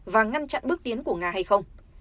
và ngăn chặn bước tiến của nga hay không